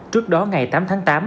trước đó ngày tám tháng tám